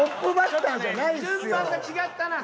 順番が違ったな。